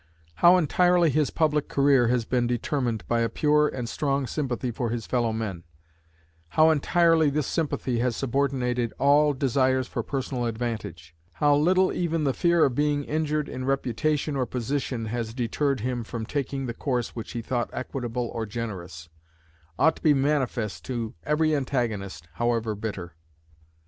How entirely his public career has been determined by a pure and strong sympathy for his fellow men, how entirely this sympathy has subordinated all desires for personal advantage, how little even the fear of being injured in reputation or position has deterred him from taking the course which he thought equitable or generous ought to be manifest to every antagonist, however bitter.